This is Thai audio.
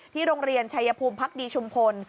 โรงเรียนชายภูมิพักดีชุมพล